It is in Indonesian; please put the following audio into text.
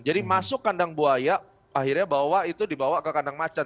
jadi masuk kandang buaya akhirnya dibawa ke kandang macan